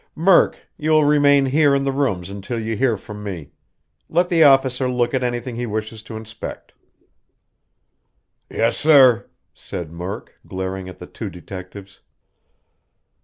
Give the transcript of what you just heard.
"Murk, you will remain here in the rooms until you hear from me. Let the officer look at anything he wishes to inspect." "Yes, sir," said Murk, glaring at the two detectives.